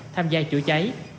tham gia chữa cháy